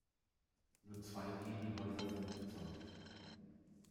Nur zwei Giebelhäuser sind bezeugt.